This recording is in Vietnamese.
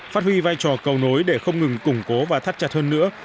phát huy vai trò cầu nối để không ngừng củng cố và thắt chặt hơn nữa